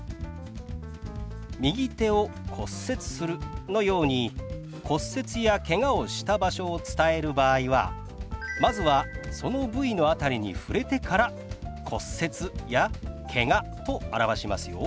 「右手を骨折する」のように骨折やけがをした場所を伝える場合はまずはその部位の辺りに触れてから「骨折」や「けが」と表しますよ。